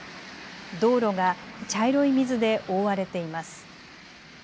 道路が茶色い水で覆われています。